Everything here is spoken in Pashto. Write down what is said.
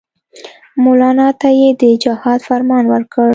مولنا ته یې د جهاد فرمان ورکړ.